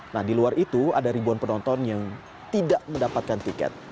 nah di luar itu ada ribuan penonton yang tidak mendapatkan tiket